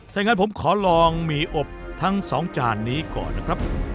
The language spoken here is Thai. ถ้าอย่างนั้นผมขอลองหมี่อบทั้งสองจานนี้ก่อนนะครับ